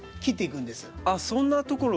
あっそんなところから？